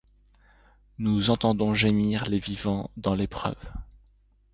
Nous entendons gémir les vivants dans l’épreuve.